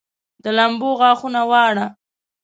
د لمبو غاښونه واړه